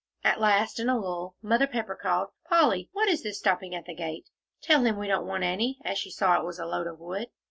At last, in a lull, Mother Pepper called, "Polly, what is this stopping at the gate? Tell him we don't want any," as she saw it was a load of wood.